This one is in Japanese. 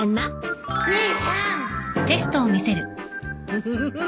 ウフフフ